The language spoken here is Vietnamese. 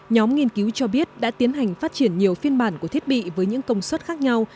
nhóm nghiên cứu cho biết đã tiến hành phát triển nhiều phiên bản của thiết bị với những công suất khác nhau